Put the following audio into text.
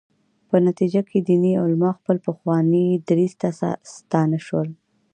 په نتیجه کې دیني علما خپل پخواني دریځ ته ستانه شول.